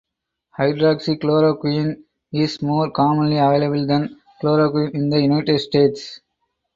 Hydroxychloroquine is more commonly available than chloroquine in the United States.